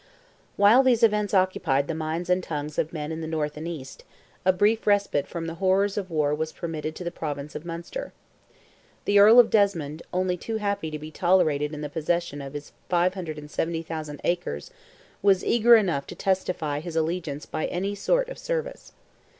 While these events occupied the minds and tongues of men in the North and East, a brief respite from the horrors of war was permitted to the province of Munster. The Earl of Desmond, only too happy to be tolerated in the possession of his 570,000 acres, was eager enough to testify his allegiance by any sort of service.